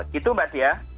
gitu mbak tia